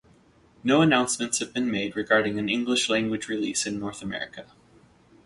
No announcements have been made regarding an English-language release in North America.